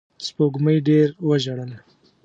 سپوږمۍ ډېر وژړل